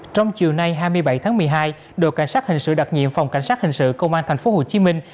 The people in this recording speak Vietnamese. trong chiều nay hai mươi bảy tháng một mươi hai đội cảnh sát hình sự đặc nhiệm phòng cảnh sát hình sự công an thành phố hồ chí minh